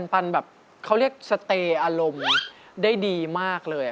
แบบเขาเรียกสเตย์อารมณ์ได้ดีมากเลย